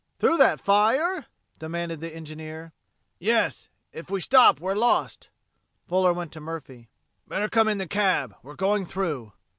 "Through that fire?" demanded the engineer. "Yes! If we stop we're lost." Fuller went to Murphy. "Better come in the cab we're going through."